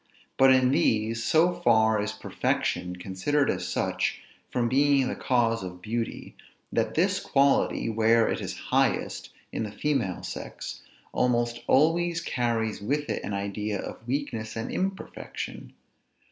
But in these, so far is perfection, considered as such, from being the cause of beauty; that this quality, where it is highest, in the female sex, almost always carries with it an idea of weakness and imperfection.